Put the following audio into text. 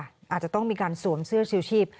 อาจจะต้องมีการสวมเสื้อชิวชีพ